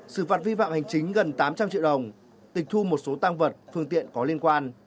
xử phạt vi phạm hành chính gần tám trăm linh triệu đồng tịch thu một số tăng vật phương tiện có liên quan